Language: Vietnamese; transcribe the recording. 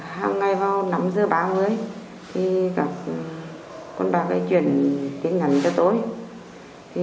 hàng ngày vào nắm giờ ba mươi thì gặp con bà gây chuyển tiền ngắn cho tôi